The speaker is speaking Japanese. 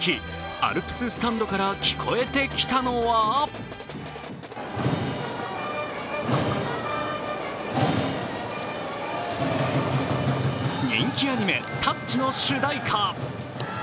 アルプススタンドから聞こえてきたのは人気アニメ「タッチ」の主題歌。